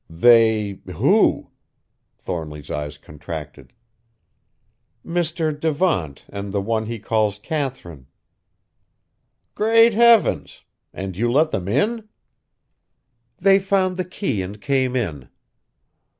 "They who?" Thornly's eyes contracted. "Mr. Devant and the one he calls Katharine." "Great heavens! And you let them in?" "They found the key and came in."